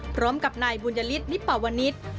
พร้อมกับนายบุญยฤทธนิปวนิษฐ์